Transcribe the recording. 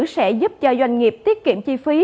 sẽ giúp cho doanh nghiệp tiết kiệm chi phí